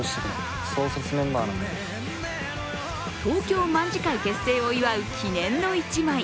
東京卍會結成を祝う記念の一枚。